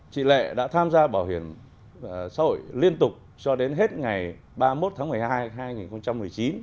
chị lệ đã tham gia bảo hiểm xã hội liên tục cho đến hết ngày ba mươi một tháng một mươi hai hai nghìn một mươi chín